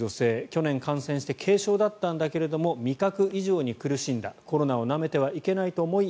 去年感染して軽症だったんだけど味覚異常に苦しんだコロナをなめてはいけないと思い